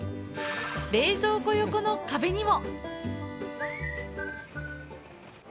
冷蔵庫横の壁にも。